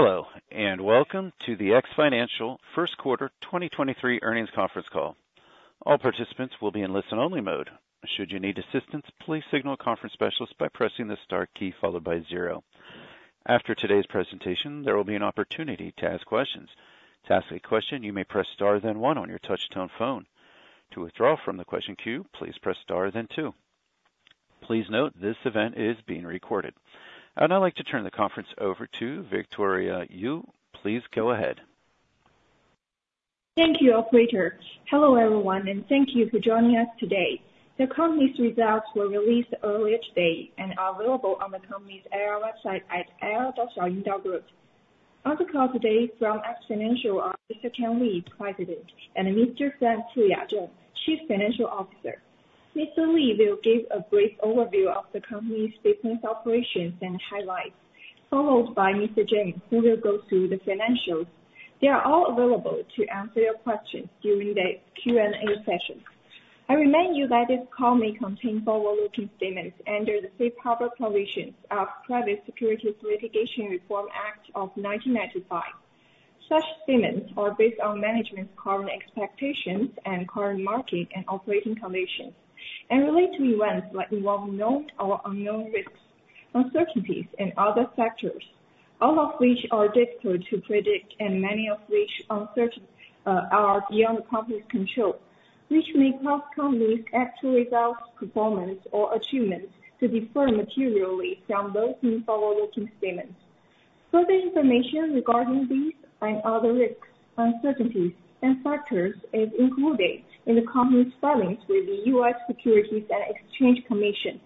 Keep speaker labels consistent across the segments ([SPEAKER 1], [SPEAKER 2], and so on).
[SPEAKER 1] Hello, welcome to the X Financial first quarter 2023 earnings conference call. All participants will be in listen only mode. Should you need assistance, please signal a conference specialist by pressing the star key followed by zero. After today's presentation, there will be an opportunity to ask questions. To ask a question, you may press star then one on your touchtone phone. To withdraw from the question queue, please press star then two. Please note, this event is being recorded. I'd now like to turn the conference over to Victoria Yu. Please go ahead.
[SPEAKER 2] Thank you, operator. Hello, everyone, thank you for joining us today. The company's results were released earlier today and are available on the company's IR website at ir.xiaoying.group. On the call today from X Financial are Mr. Kan Li, President, and Mr. Frank Fuya Zheng, Chief Financial Officer. Mr. Li will give a brief overview of the company's business operations and highlights, followed by Mr. Zheng, who will go through the financials. They are all available to answer your questions during the Q&A session. I remind you that this call may contain forward-looking statements under the Safe Harbor provisions of Private Securities Litigation Reform Act of 1995. Such statements are based on management's current expectations and current market and operating conditions, relate to events that involve known or unknown risks, uncertainties, and other factors, all of which are difficult to predict and many of which uncertain are beyond the company's control, which may cause company's actual results, performance, or achievements to differ materially from those in forward looking statements. Further information regarding these and other risks, uncertainties, and factors is included in the company's filings with the U.S. Securities and Exchange Commission.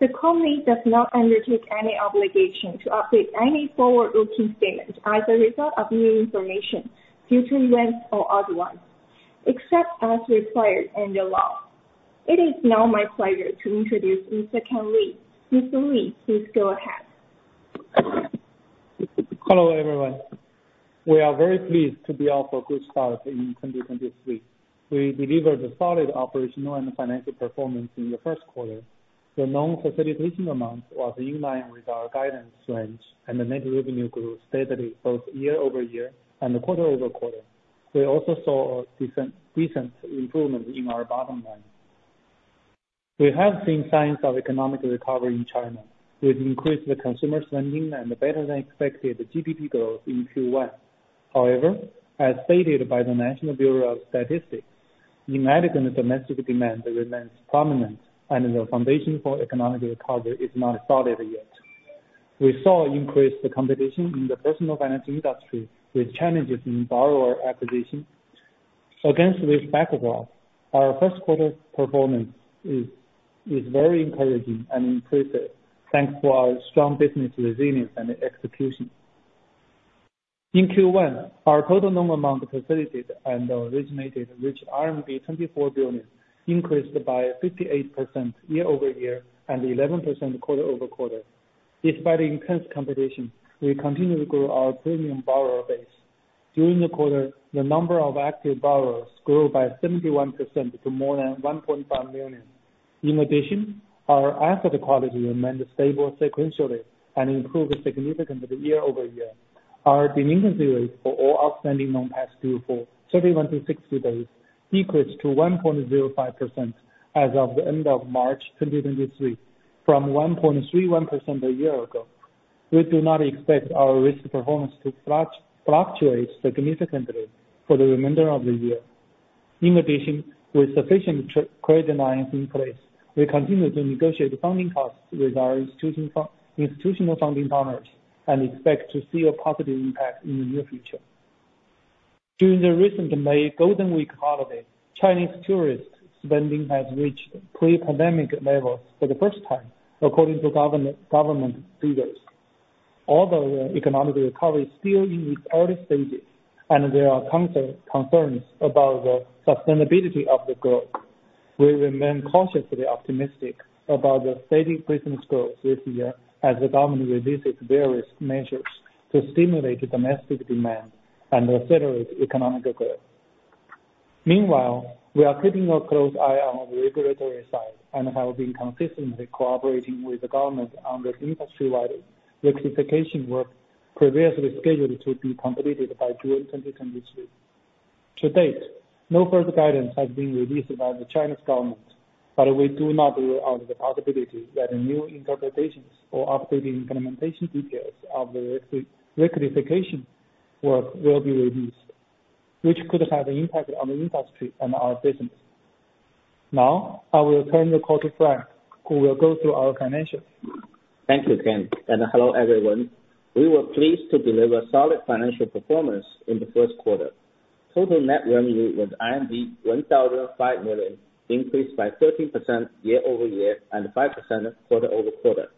[SPEAKER 2] The company does not undertake any obligation to update any forward looking statements as a result of new information due to events or other ones, except as required under law. It is now my pleasure to introduce Mr. Kan Li. Mr. Li, please go ahead.
[SPEAKER 3] Hello, everyone. We are very pleased to be off a good start in 2023. We delivered a solid operational and financial performance in the first quarter. The known facilitation amount was in line with our guidance range, and the net revenue grew steadily both year-over-year and quarter-over-quarter. We also saw a decent improvement in our bottom line. We have seen signs of economic recovery in China, with increased the consumer spending and better than expected GDP growth in Q1. However, as stated by the National Bureau of Statistics, inadequate domestic demand remains prominent, and the foundation for economic recovery is not solid yet. We saw increased competition in the personal finance industry, with challenges in borrower acquisition. Against this background, our first quarter performance is very encouraging and impressive, thanks to our strong business resilience and execution. In Q1, our total loan amount facilitated and originated reached RMB 24 billion, increased by 58% year-over-year and 11% quarter-over-quarter. Despite intense competition, we continue to grow our premium borrower base. During the quarter, the number of active borrowers grew by 71% to more than 1.5 million. In addition, our asset quality remained stable sequentially and improved significantly year-over-year. Our delinquency rates for all outstanding loans past due for 31 to 60 days decreased to 1.05% as of the end of March 2023, from 1.31% a year ago. We do not expect our risk performance to fluctuate significantly for the remainder of the year. With sufficient credit lines in place, we continue to negotiate the funding costs with our institutional funding partners and expect to see a positive impact in the near future. During the recent May Golden Week holiday, Chinese tourist spending has reached pre pandemic levels for the first time, according to government figures. The economic recovery is still in its early stages and there are concerns about the sustainability of the growth, we remain cautiously optimistic about the steady business growth this year as the government releases various measures to stimulate domestic demand and accelerate economic growth. We are keeping a close eye on the regulatory side and have been consistently cooperating with the government on this industry-wide rectification work previously scheduled to be completed by June 2023. To date, no further guidance has been released by the Chinese government. We do not rule out the possibility that new interpretations or updated implementation details of the rectification work will be released, which could have an impact on the industry and our business. I will turn to Frank, who will go through our financials.
[SPEAKER 4] Thank you, Kan. Hello, everyone. We were pleased to deliver solid financial performance in the first quarter. Total net revenue was 1,005 million, increased by 13% year-over-year and 5% quarter-over-quarter.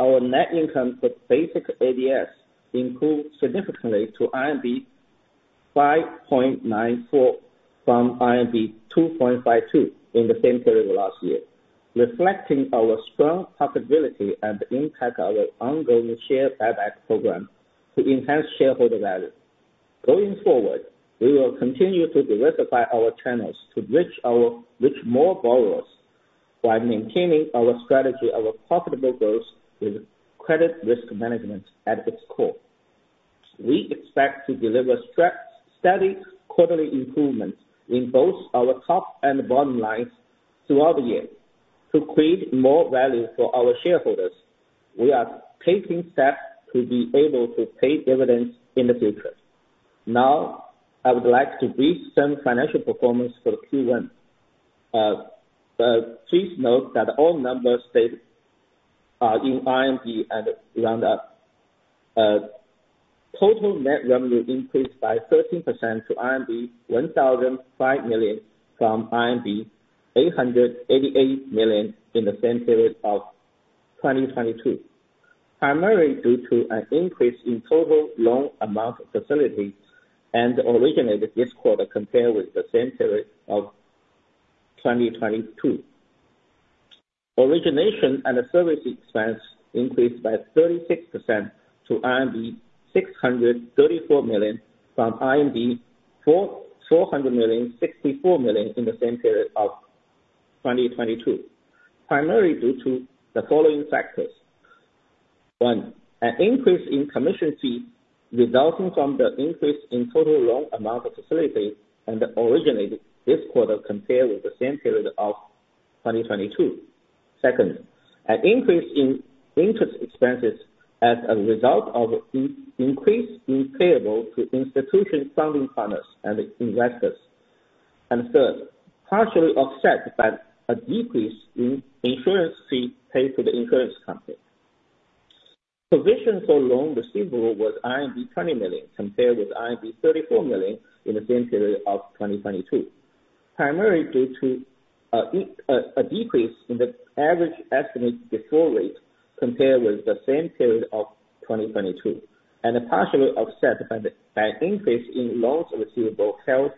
[SPEAKER 4] Our net income for basic ADS improved significantly to 5.94 from 2.52 in the same period last year, reflecting our strong profitability and the impact of our ongoing share buyback program to enhance shareholder value. Going forward, we will continue to diversify our channels to reach more borrowers while maintaining our strategy of a profitable growth with credit risk management at its core. We expect to deliver steady quarterly improvements in both our top and bottom lines throughout the year to create more value for our shareholders. I would like to read some financial performance for Q1. Please note that all numbers stated are in RMB and round up. Total net revenue increased by 13% to RMB 1,005 million, from RMB 888 million in the same period of 2022, primarily due to an increase in total loan amount facilities and originated this quarter compared with the same period of 2022. Origination and service expense increased by 36% to RMB 634 million, from RMB 400 million, 64 million in the same period of 2022, primarily due to the following factors: one, an increase in commission fee resulting from the increase in total loan amount of facilities and originated this quarter compared with the same period of 2022. Second, an increase in interest expenses as a result of increased payable to institution funding partners and investors. Third, partially offset by a decrease in insurance fees paid to the insurance company. Provisions for loan receivable was 20 million, compared with 34 million in the same period of 2022, primarily due to a decrease in the average estimated default rate compared with the same period of 2022, and partially offset by an increase in loans receivable held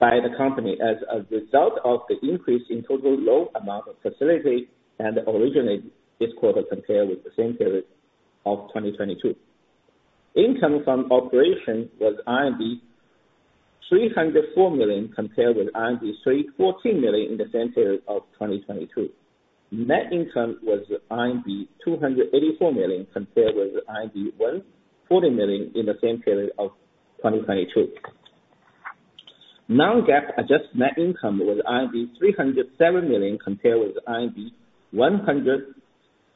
[SPEAKER 4] by the company as a result of the increase in total loan amount of facility and originated this quarter compared with the same period of 2022. Income from operation was RMB 304 million, compared with RMB 314 million in the same period of 2022. Net income was RMB 284 million, compared with RMB 140 million in the same period of 2022. Non-GAAP adjusted net income was 307 million, compared with 154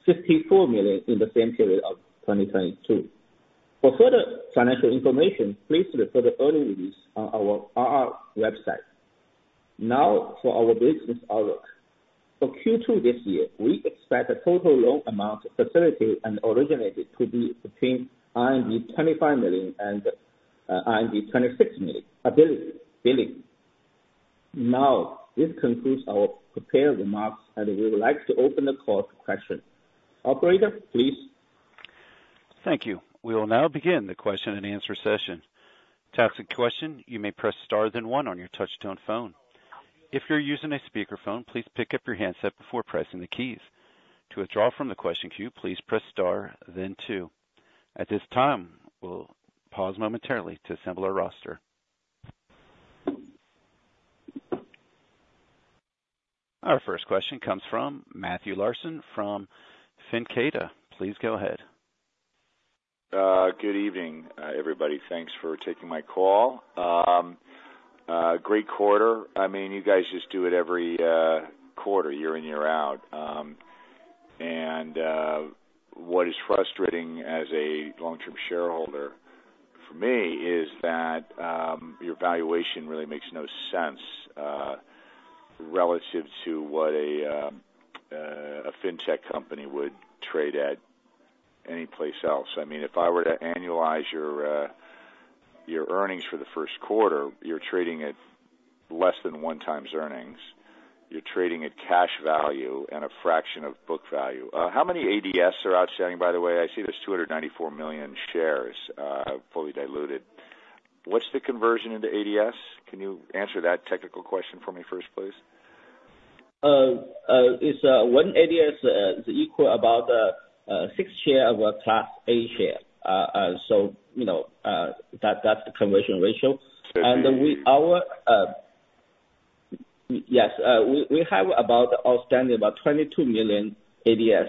[SPEAKER 4] million in the same period of 2022. For further financial information, please refer the earnings release on our website. For our business outlook. For Q2 this year, we expect the total loan amount facility and originated to be between RMB 25 million and RMB 26 million billing. This concludes our prepared remarks, and we would like to open the call to questions. Operator, please?
[SPEAKER 1] Thank you. We will now begin the question and answer session. To ask a question, you may press star then one on your touchtone phone. If you're using a speakerphone, please pick up your handset before pressing the keys. To withdraw from the question queue, please press star then two. At this time, we'll pause momentarily to assemble our roster. Our first question comes from Matthew Larson from Fincadia. Please go ahead.
[SPEAKER 5] Good evening, everybody. Thanks for taking my call. Great quarter. I mean, you guys just do it every quarter, year in, year out. What is frustrating as a long-term shareholder, for me, is that your valuation really makes no sense relative to what a fintech company would trade at anyplace else. I mean, if I were to annualize your earnings for the first quarter, you're trading at less than 1 times earnings. You're trading at cash value and a fraction of book value. How many ADSs are outstanding, by the way? I see there's 294 million shares fully diluted. What's the conversion into ADS? Can you answer that technical question for me first, please?
[SPEAKER 4] It's a equal about 6 shares of our Class A share. So, you know, that's the conversion ratio.
[SPEAKER 5] Thank you.
[SPEAKER 4] Yes, we have about outstanding, about 22 million ADS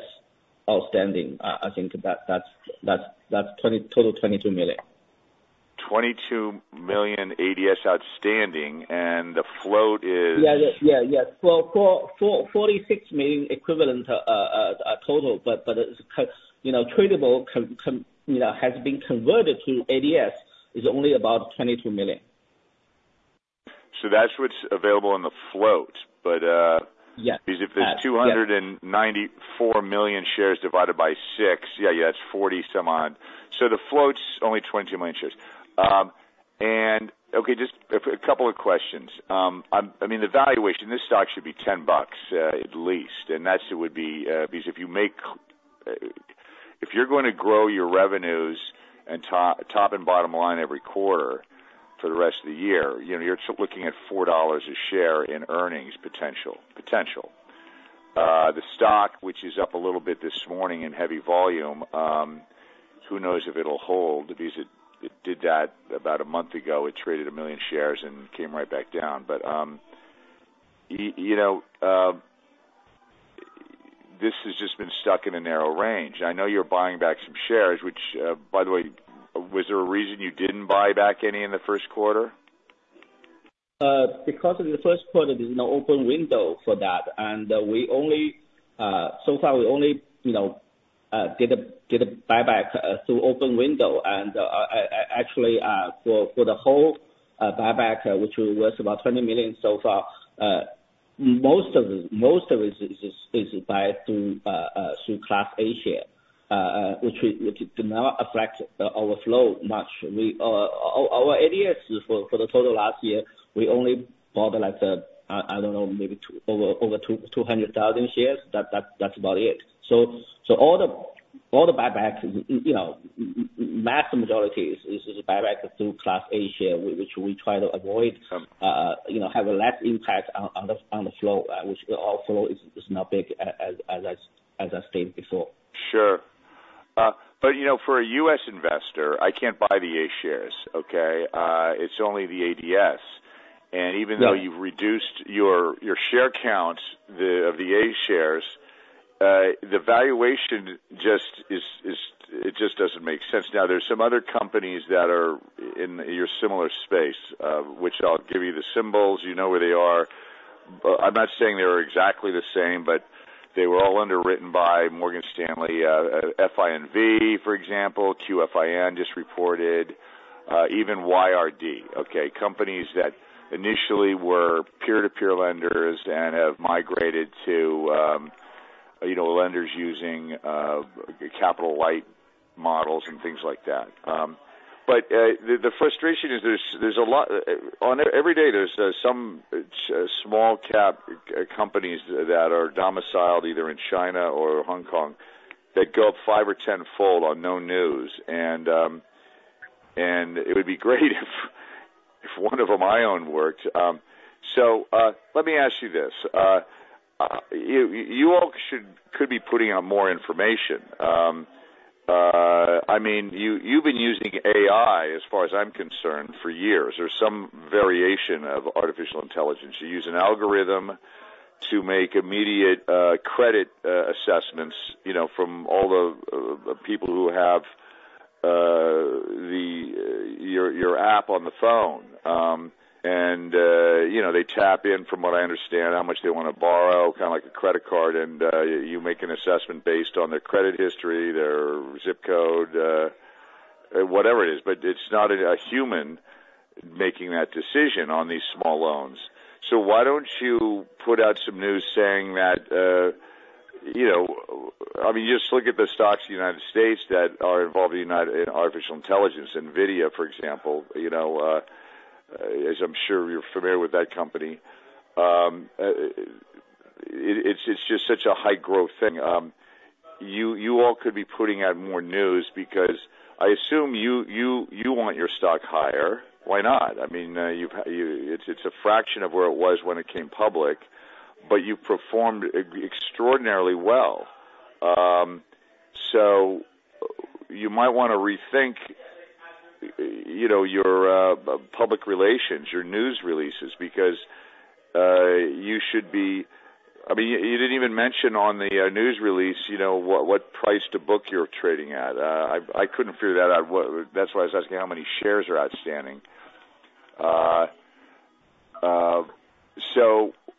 [SPEAKER 4] outstanding. I think that's total 22 million.
[SPEAKER 5] 22 million ADS outstanding, and the float is?
[SPEAKER 4] Yeah, yeah. Yeah, yes. Well, 46 million equivalent, total, but, you know, tradable, you know, has been converted to ADS, is only about 22 million.
[SPEAKER 5] That's what's available on the float?
[SPEAKER 4] Yes.
[SPEAKER 5] Because if there's 294 million shares divided by six, yeah, it's 40 some odd. The float's only 20 million shares. Okay, just a couple of questions. I mean, the valuation, this stock should be $10 at least, and that's would be because if you make... If you're going to grow your revenues and top and bottom line every quarter for the rest of the year, you know, you're looking at $4 a share in earnings potential. Which is up a little bit this morning in heavy volume. Who knows if it'll hold? Because it did that about a month ago. It traded 1 million shares and came right back down. You know, this has just been stuck in a narrow range. I know you're buying back some shares, which, by the way, was there a reason you didn't buy back any in the first quarter?
[SPEAKER 4] Because of the first quarter, there's no open window for that, and we only so far, we only, you know, did a buyback through open window. I actually for the whole buyback, which was about 20 million so far, most of it is buy through Class A share which do not affect our flow much. We our ADS for the total last year, we only bought like, I don't know, maybe over 200,000 shares. That's about it. All the buybacks, you know, mass majority is buyback through Class A share, which we try to avoid, you know, have a less impact on the flow, which our flow is not big as I stated before.
[SPEAKER 5] Sure. You know, for a U.S. investor, I can't buy the A shares, okay? It's only the ADS.
[SPEAKER 4] Yeah.
[SPEAKER 5] Even though you've reduced your share count, of the A shares, the valuation just is, it just doesn't make sense. Now, there's some other companies that are in your similar space, which I'll give you the symbols, you know where they are. I'm not saying they're exactly the same, but they were all underwritten by Morgan Stanley, FINV, for example, QFIN just reported, even YRD, okay? Companies that initially were peer-to-peer lenders and have migrated to, you know, lenders using capital-light models and things like that. The frustration is there's a lot. Every day, there's some small cap companies that are domiciled either in China or Hong Kong, that go up five or 10 fold on no news and it would be great if one of them I own worked. Let me ask you this, you all should could be putting out more information. I mean, you've been using AI as far as I'm concerned, for years, or some variation of artificial intelligence. You use an algorithm to make immediate credit assessments, you know, from all the people who have your app on the phone. You know, they tap in, from what I understand, how much they want to borrow, kind of like a credit card, and you make an assessment based on their credit history, their zip code, whatever it is, but it's not a human making that decision on these small loans. Why don't you put out some news saying that, you know, I mean, just look at the stocks in the United States that are involved in artificial intelligence, NVIDIA, for example, you know, as I'm sure you're familiar with that company. It's just such a high growth thing. You all could be putting out more news because I assume you want your stock higher. Why not? I mean, you've, you, it's a fraction of where it was when it came public, but you performed extraordinarily well. You might want to rethink, you know, your public relations, your news releases, because you should be... I mean, you didn't even mention on the news release, you know, what price to book you're trading at. I couldn't figure that out. Well, that's why I was asking how many shares are outstanding.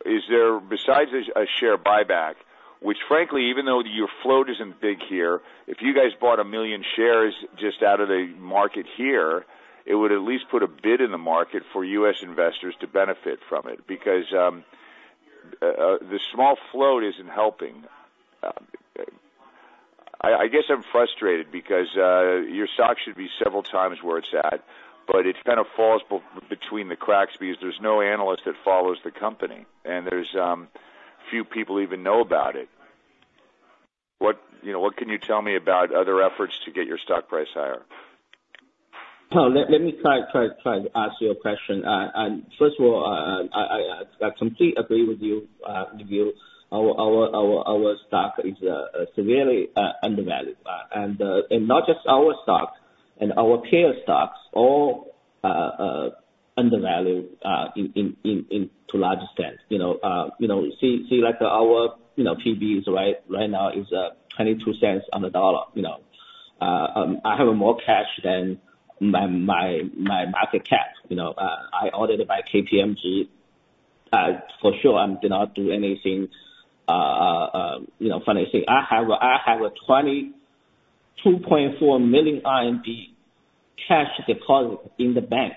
[SPEAKER 5] Is there, besides a share buyback, which frankly, even though your float isn't big here, if you guys bought 1 million shares just out of the market here, it would at least put a bid in the market for U.S. investors to benefit from it, because the small float isn't helping. I guess I'm frustrated because your stock should be several times where it's at, but it kind of falls between the cracks because there's no analyst that follows the company, and there's few people even know about it. What, you know, what can you tell me about other efforts to get your stock price higher?
[SPEAKER 4] Well, let me try to answer your question. First of all, I completely agree with you. Our stock is severely undervalued. Not just our stock and our peer stocks, all undervalued to a large extent. You know, you know, see, like our, you know, PB is right now is $0.22 on the dollar, you know. I have more cash than my market cap, you know, I audited by KPMG, for sure, I did not do anything, you know, funny thing. I have 22.4 million RMB cash deposit in the bank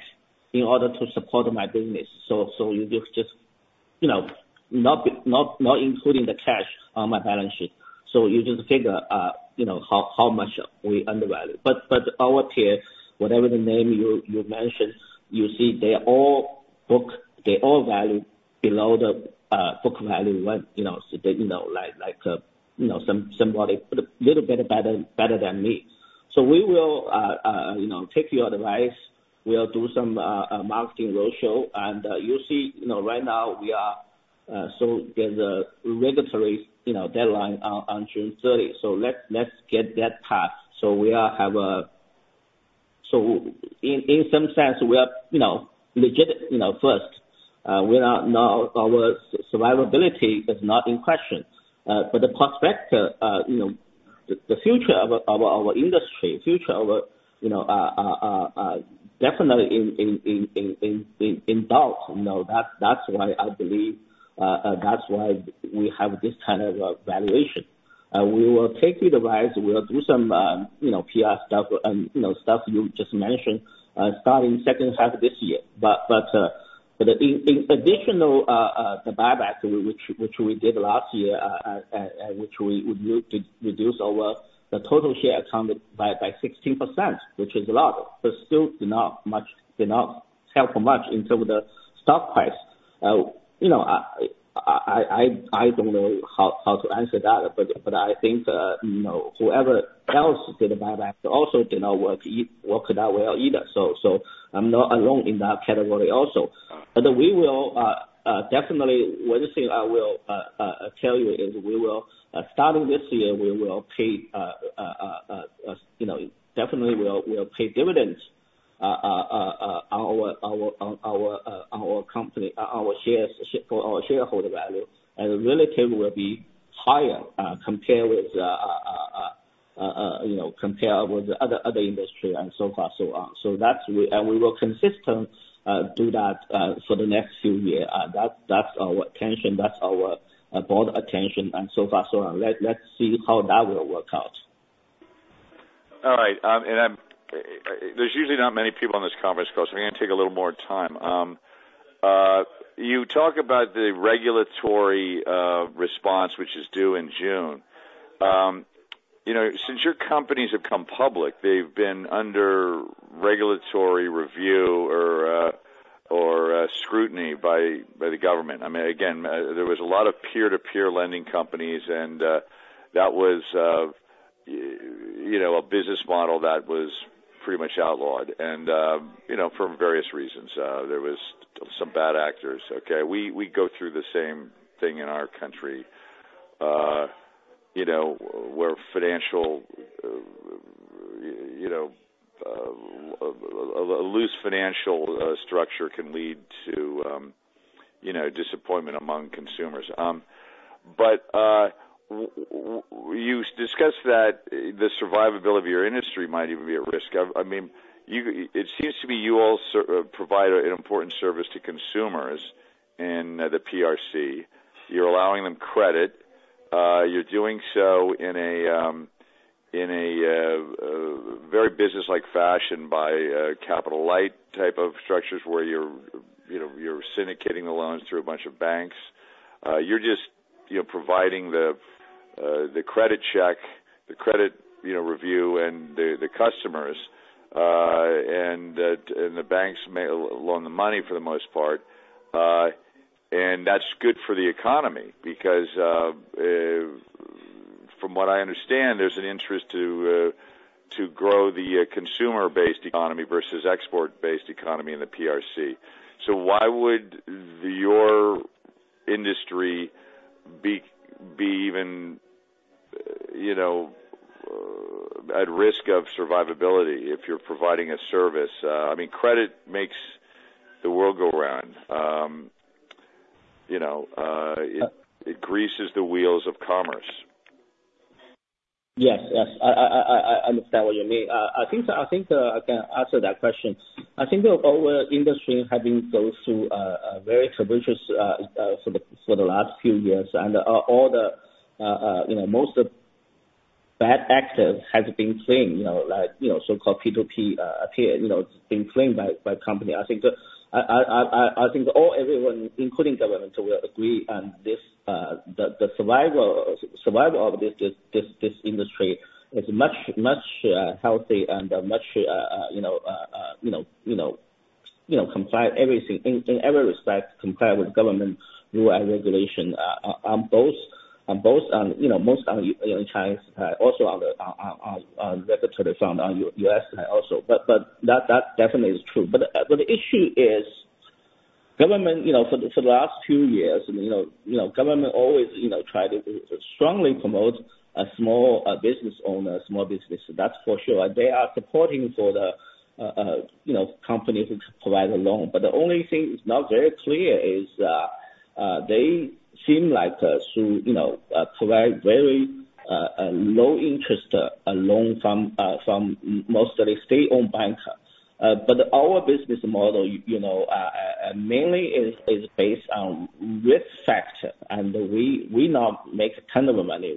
[SPEAKER 4] in order to support my business. You just, you know, not including the cash on my balance sheet. You just figure, you know, how much we undervalue. Our peer, whatever the name you mentioned, you see they all book, they all value below the book value, when, you know, so they, you know, like, you know, somebody put a little bit better than me. We will, you know, take your advice. We'll do some marketing roadshow, and you see, you know, right now we are, so there's a regulatory, you know, deadline on June 30. Let's get that passed. We are have so in some sense, we are, you know, legit, you know, first, we are now, our survivability is not in question, but the prospector, you know, the future of our industry, future of our, you know, definitely in doubt, you know, that's why I believe, that's why we have this kind of valuation. We will take you the advice, we will do some, you know, PR stuff and, you know, stuff you just mentioned, starting second half of this year. In addition, the buyback, which we did last year, which we would reduce our total share counted by 16%, which is a lot, but still not much, did not help much in terms of the stock price. You know, I don't know how to answer that, but I think, you know, whoever else did a buyback also did not work that well either. So I'm not alone in that category also. We will, definitely, one thing I will tell you is we will, starting this year, we will pay, you know, definitely we'll pay dividends. Our company, our shares, for our shareholder value, and relative will be higher, compared with, you know, compared with the other industry and so far, so on. We will consistent do that for the next few year. That's our intention, that's our board intention and so far so on. Let's see how that will work out.
[SPEAKER 5] All right, I'm, there's usually not many people on this conference call, so I'm gonna take a little more time. You talk about the regulatory response, which is due in June. You know, since your companies have come public, they've been under regulatory review or scrutiny by the government. I mean, again, there was a lot of peer-to-peer lending companies and that was, you know, a business model that was pretty much outlawed, and, you know, for various reasons, there was some bad actors. Okay. We go through the same thing in our country, you know, where financial, you know, a loose financial structure can lead to, you know, disappointment among consumers. You discussed that the survivability of your industry might even be at risk. I mean, you, it seems to me you all provide an important service to consumers in the PRC. You're allowing them credit. You're doing so in a very businesslike fashion by capital light type of structures, where you're, you know, you're syndicating the loans through a bunch of banks. You're just, you know, providing the credit check, the credit, you know, review and the customers, and the banks may loan the money for the most part. That's good for the economy, because from what I understand, there's an interest to grow the consumer-based economy versus export-based economy in the PRC. Why would your industry be even, you know, at risk of survivability if you're providing a service? I mean, credit makes the world go round. You know, it greases the wheels of commerce.
[SPEAKER 4] Yes. I understand what you mean. I think I can answer that question. I think our industry having gone through a very treacherous for the last few years, and all the, you know, most of bad actors has been cleaned, you know, like, you know, so called P2P, you know, it's been cleaned by company. I think everyone, including governments, will agree on this. The survival of this industry is much healthy and much, you know, comply everything, in every respect, comply with government rule and regulation, on both, you know, most of in Chinese, also on the regulatory front, on U.S. side also. That definitely is true. The issue is government, you know, for the last two years, and you know, government always, you know, try to strongly promote a small business owner, small business, that's for sure. They are supporting for the, you know, companies who provide a loan. The only thing is not very clear is, they seem like to, you know, provide very low interest loan from from mostly state owned banks. Our business model, you know, mainly is based on risk factor, and we not make a ton of money.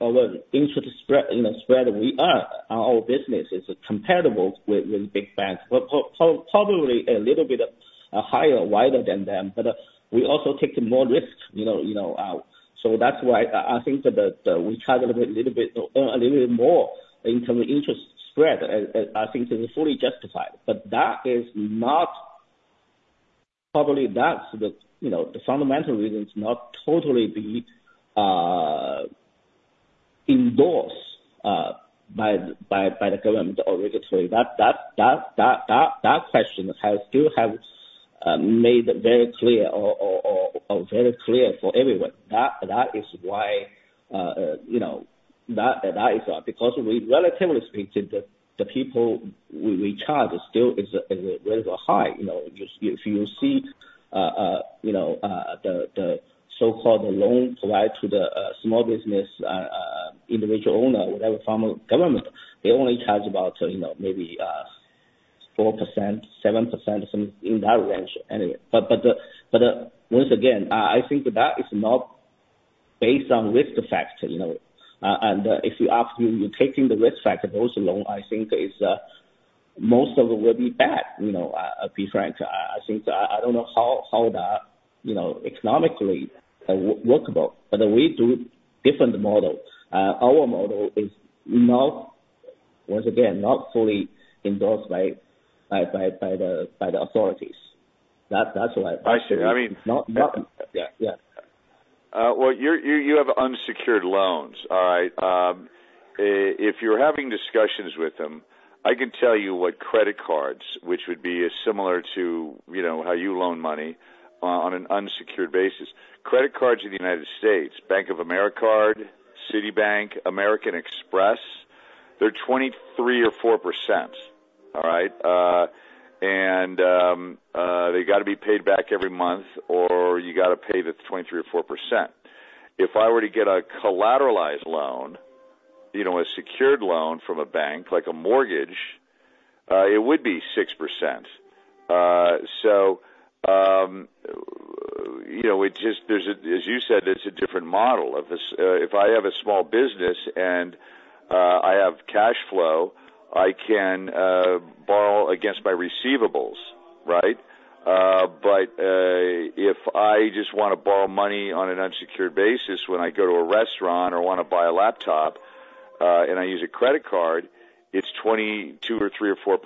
[SPEAKER 4] Our interest spread, you know, spread we earn on our business is comparable with big banks, but probably a little bit higher, wider than them. We also take more risk, you know, so that's why I think that we charge a little bit a little more in terms of interest spread, and I think this is fully justified, but that is not. Probably that's the, you know, the fundamental reasons not totally be endorsed by the government or regulatory. That question has still have made very clear or very clear for everyone. That is why, you know, that is why because we relatively speaking, the people we charge is still very high. You know, if you see, you know, the so called loan provided to the small business individual owner, whatever form of government, they only charge about, you know, maybe 4%, 7%, some in that range anyway. Once again, I think that is not based on risk factor, you know. If you ask me, you're taking the risk factor, those loan, I think is, most of them will be bad. You know, to be frank, I think I don't know how that, you know, economically are workable, but we do different model. Our model is not, once again, not fully endorsed by the authorities. That's what I.
[SPEAKER 5] I see.
[SPEAKER 4] Not. Yeah.
[SPEAKER 5] Well, you're, you have unsecured loans. All right? If you're having discussions with them, I can tell you what credit cards, which would be as similar to, you know, how you loan money on an unsecured basis. Credit cards in the United States, Bank of America, Citibank, American Express, they're 23% or 24%. All right? They got to be paid back every month, or you got to pay the 23% or 24%. If I were to get a collateralized loan, you know, a secured loan from a bank, like a mortgage, it would be 6%. You know, it just there's a, as you said, it's a different model. If this, if I have a small business and I have cash flow, I can borrow against my receivables, right? If I just want to borrow money on an unsecured basis, when I go to a restaurant or want to buy a laptop, and I use a credit card, it's 22% or 23% or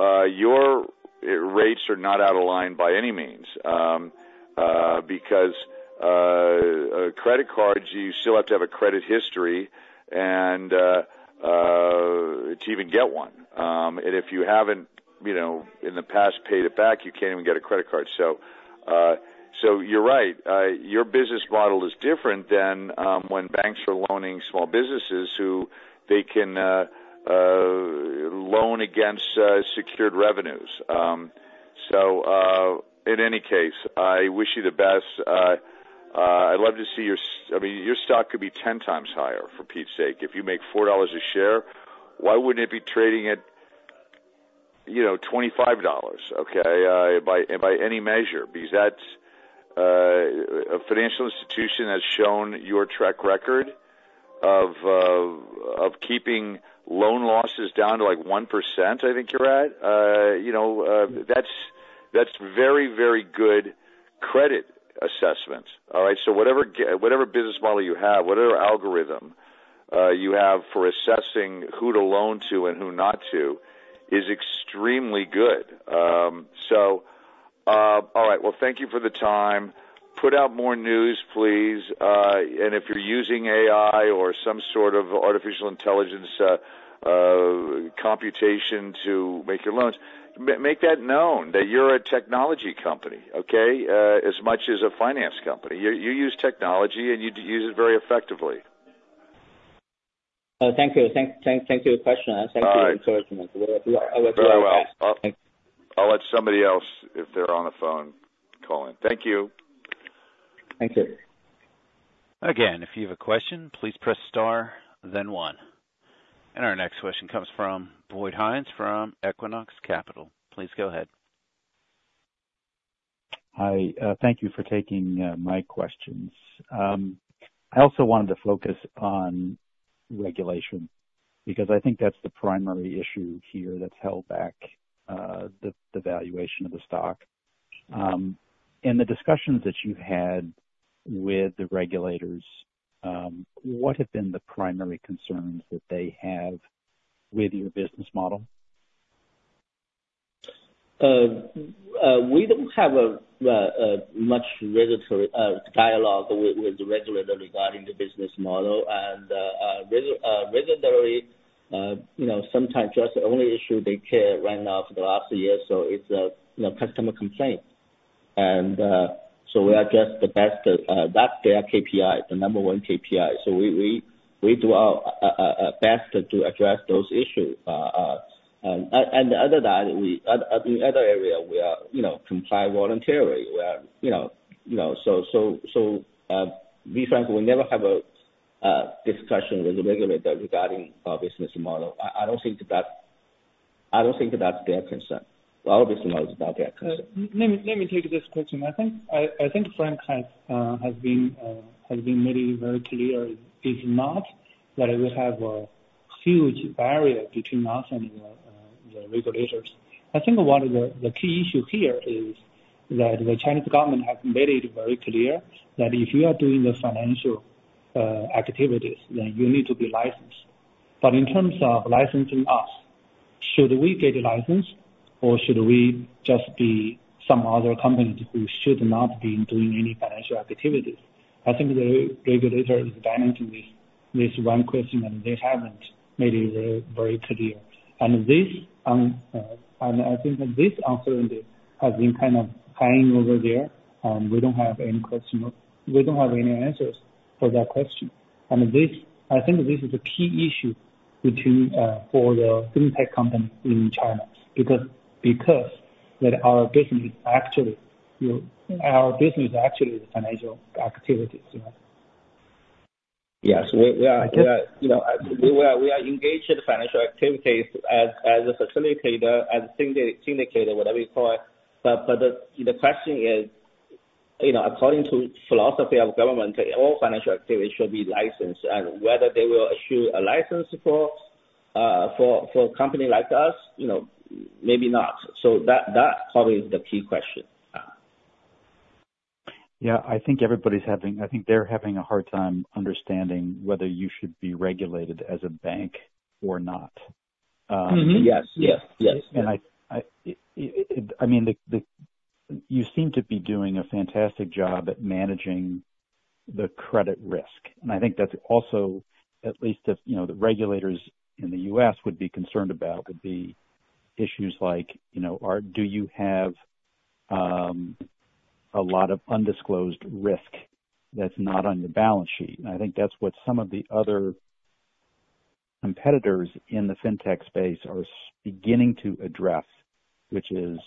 [SPEAKER 5] 24%. Your rates are not out of line by any means. Because credit cards, you still have to have a credit history and to even get one. And if you haven't, you know, in the past, paid it back, you can't even get a credit card. You're right. Your business model is different than when banks are loaning small businesses who they can loan against secured revenues. In any case, I wish you the best. I'd love to see your I mean, your stock could be 10x higher, for Pete's sake. If you make $4 a share, why wouldn't it be trading at, you know, $25? Okay, by any measure, because that's a financial institution has shown your track record of keeping loan losses down to, like, 1%, I think you're at. You know, that's very, very good credit assessment. All right? Whatever business model you have, whatever algorithm you have for assessing who to loan to and who not to, is extremely good. All right, well, thank you for the time. Put out more news, please. If you're using AI or some sort of artificial intelligence, computation to make your loans, make that known that you're a technology company, okay? As much as a finance company. You use technology and you use it very effectively.
[SPEAKER 4] Thank you. Thank you for the question.
[SPEAKER 5] All right.
[SPEAKER 4] Thank you for encouraging us.
[SPEAKER 5] Very well. I'll let somebody else, if they're on the phone, call in. Thank you.
[SPEAKER 4] Thank you.
[SPEAKER 1] Again, if you have a question, please press star one. Our next question comes from Boyd Hines from Equinox Capital. Please go ahead.
[SPEAKER 6] Hi, thank you for taking my questions. I also wanted to focus on regulation, because I think that's the primary issue here that's held back the valuation of the stock. In the discussions that you've had with the regulators, what have been the primary concerns that they have with your business model?
[SPEAKER 4] We don't have a much regulatory dialogue with the regulator regarding the business model. Regulatory, you know, sometimes just the only issue they care right now for the last year or so, is, you know, customer complaint. We address the best, that's their KPI, the number one KPI. We do our best to address those issues. Other than that, we the other area, we are, you know, comply voluntarily. We are, you know, you know, so, we frankly, we never have a discussion with the regulator regarding our business model. I don't think that, I don't think that's their concern. Our business model is not their concern.
[SPEAKER 3] Let me take this question. I think Frank has been maybe very clear. It's not that we have a huge barrier between us and the regulators. I think one of the key issue here is that the Chinese government has made it very clear that if you are doing the financial activities, then you need to be licensed. In terms of licensing us, should we get a license or should we just be some other company who should not be doing any financial activities. I think the regulator is down into this one question, and they haven't made it very, very clear. I think that this answer in this has been kind of hanging over there, and we don't have any answers for that question. I think this is a key issue between, for the fintech companies in China, because that our business actually, you know, our business is actually the financial activities, you know.
[SPEAKER 4] Yes, we are, you know, we are engaged in financial activities as a facilitator, as syndicator, whatever you call it. The question is, you know, according to philosophy of government, all financial activities should be licensed and whether they will issue a license for a company like us, you know, maybe not. That, that probably is the key question.
[SPEAKER 6] Yeah, I think they're having a hard time understanding whether you should be regulated as a bank or not.
[SPEAKER 4] Mm-hmm. Yes. Yes. Yes.
[SPEAKER 6] I mean, you seem to be doing a fantastic job at managing the credit risk. I think that's also, at least if, you know, the regulators in the U.S. would be concerned about, would be issues like, you know, do you have a lot of undisclosed risk that's not on your balance sheet? I think that's what some of the other competitors in the fintech space are beginning to address, which is,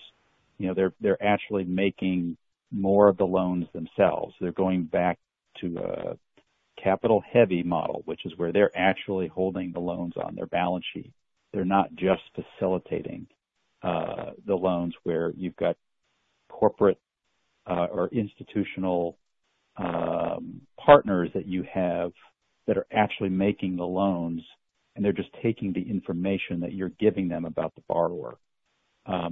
[SPEAKER 6] you know, they're actually making more of the loans themselves. They're going back to a capital-heavy model, which is where they're actually holding the loans on their balance sheet. They're not just facilitating the loans where you've got corporate or institutional partners that you have, that are actually making the loans, and they're just taking the information that you're giving them about the borrower.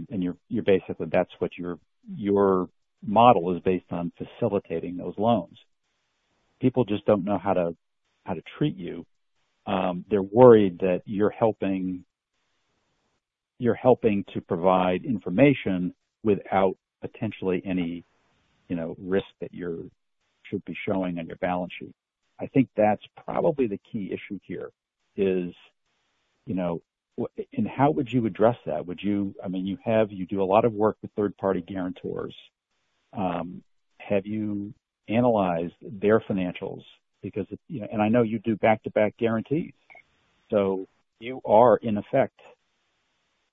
[SPEAKER 6] You're basically, that's what your model is based on facilitating those loans. People just don't know how to treat you. They're worried that you're helping to provide information without potentially any, you know, risk that you're should be showing on your balance sheet. I think that's probably the key issue here, is, you know, and how would you address that? I mean, you have, you do a lot of work with third-party guarantors. Have you analyzed their financials? Because, you know, and I know you do back-to-back guarantees, so you are in effect,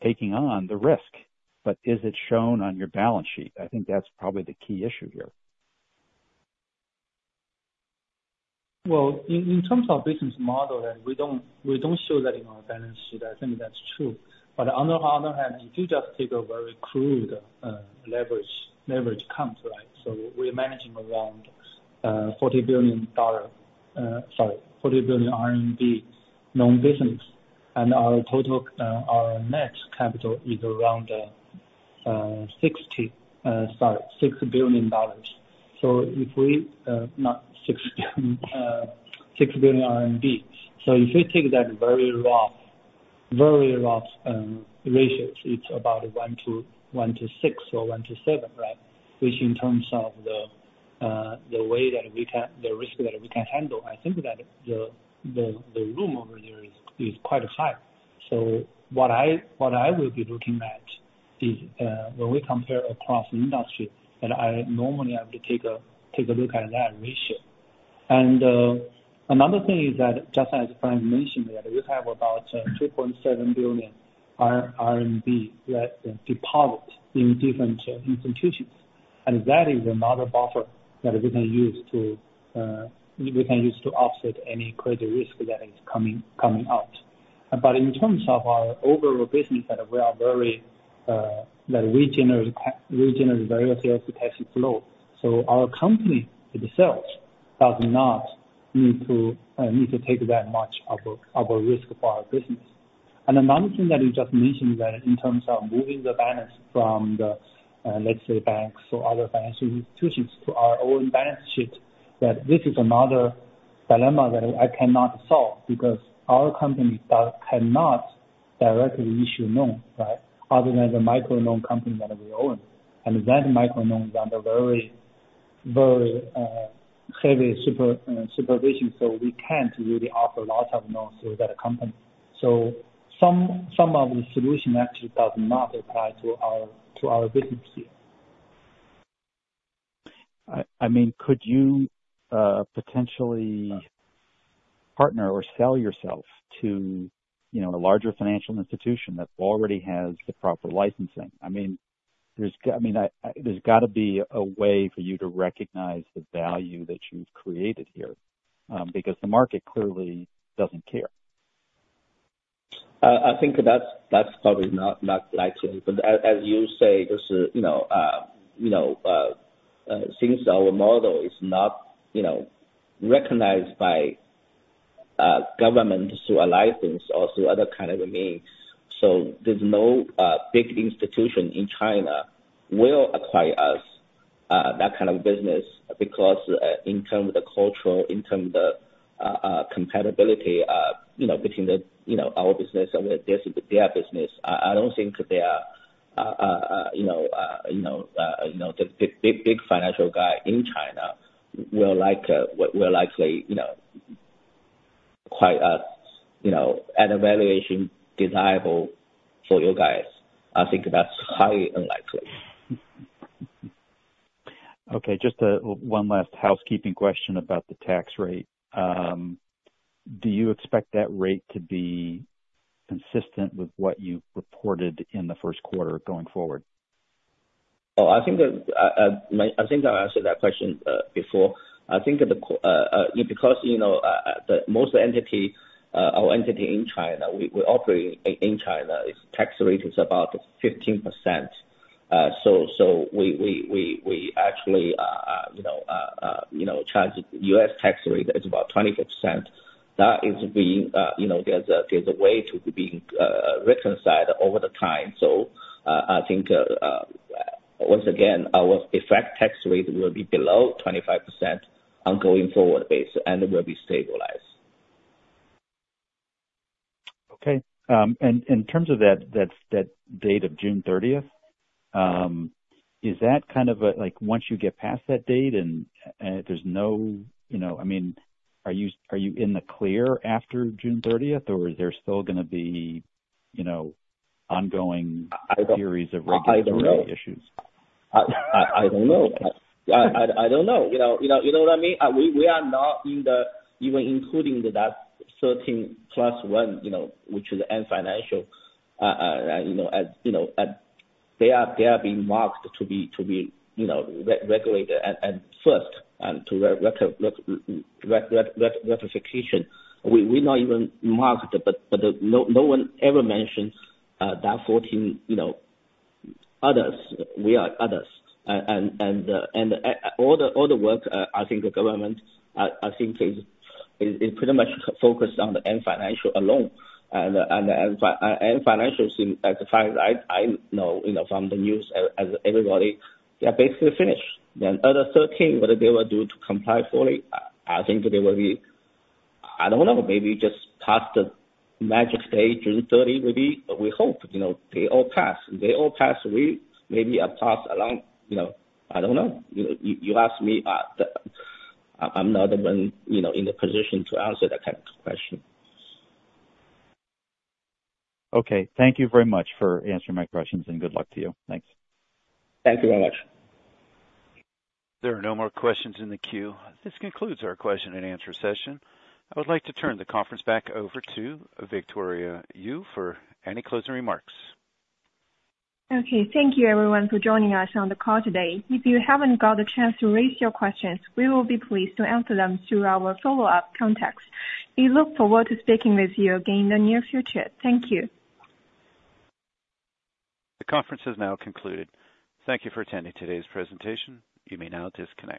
[SPEAKER 6] taking on the risk, but is it shown on your balance sheet? I think that's probably the key issue here.
[SPEAKER 3] Well, in terms of business model, we don't show that in our balance sheet. I think that's true. On the other hand, if you just take a very crude leverage count, right? We're managing around RMB 40 billion loan business. Our total net capital is around RMB 6 billion. If we take that very rough ratios, it's about one to six or one to seven, right? Which in terms of the way that we can, the risk that we can handle, I think that the room over there is quite high. What I will be looking at is when we compare across industry, and I normally have to take a look at that ratio. Another thing is that, just as Frank mentioned, that we have about 2.7 billion RMB that deposit in different institutions, and that is another buffer that we can use to we can use to offset any credit risk that is coming out. In terms of our overall business that we are very that we generate various cash flow. Our company itself does not need to need to take that much of a risk for our business. Another thing that you just mentioned, that in terms of moving the balance from the, let's say, banks or other financial institutions to our own balance sheet, that this is another dilemma that I cannot solve, because our company cannot directly issue loans, right? Other than the microloan company that we own. That microloan is under very heavy supervision, so we can't really offer a lot of loans to that company. Some of the solution actually does not apply to our business here.
[SPEAKER 6] I mean, could you potentially partner or sell yourself to, you know, a larger financial institution that already has the proper licensing? I mean, there's got to be a way for you to recognize the value that you've created here, because the market clearly doesn't care.
[SPEAKER 4] That's probably not likely. But as you say, this is, you know, since our model is not, you know, recognized by government through a license or through other kind of means, so there's no big institution in China will acquire us, that kind of business. Because in term of the cultural, in term the compatibility, you know, between our business and their business, I don't think they are, you know, the big financial guy in China will likely, you know, acquire a, you know, at a valuation desirable for you guys. I think that's highly unlikely.
[SPEAKER 6] Just one last housekeeping question about the tax rate. Do you expect that rate to be consistent with what you've reported in the first quarter going forward?
[SPEAKER 4] I think that I answered that question before. I think that the because, you know, the most entity, our entity in China, we operate in China, its tax rate is about 15%. We actually, you know, you know, charge U.S. tax rate is about 25%. That is being, you know, there's a way to being reconciled over the time. I think once again, our effect tax rate will be below 25% on going forward base, and it will be stabilized.
[SPEAKER 6] Okay. In terms of that date of June 30th, is that kind of a, like, once you get past that date, and there's no, you know... I mean, are you in the clear after June 30th, or is there still gonna be, you know, ongoing?
[SPEAKER 4] I don't-
[SPEAKER 6] Theories of regulatory issues?
[SPEAKER 4] I don't know. I don't know. You know, you know, you know what I mean? We are not in the, even including that 13 plus one, you know, which is Ant Group. As, you know, as they are being marked to be, you know, re-regulated and first, and to reification. We're not even marked, but no one ever mentions that 14, you know, others. We are others. All the work, I think the government, I think is pretty much focused on the Ant Group alone. Ant Group, as far as I know, you know, from the news, as everybody, they're basically finished. Other 13, what they will do to comply fully, I think they will. I don't know, maybe just pass the magic stage, June 30, maybe. We hope, you know, they all pass. If they all pass, we maybe pass along. You know, I don't know. You asked me, I'm not the one, you know, in the position to answer that type of question.
[SPEAKER 6] Okay. Thank you very much for answering my questions, and good luck to you. Thanks.
[SPEAKER 4] Thank you very much.
[SPEAKER 1] There are no more questions in the queue. This concludes our question and answer session. I would like to turn the conference back over to Victoria Yu for any closing remarks.
[SPEAKER 2] Thank you everyone for joining us on the call today. If you haven't got a chance to raise your questions, we will be pleased to answer them through our follow up contacts. We look forward to speaking with you again in the near future. Thank you.
[SPEAKER 1] The conference is now concluded. Thank you for attending today's presentation. You may now disconnect.